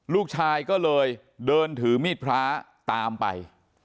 ลูกชายก็เลยเดินถือมีดพระตามไป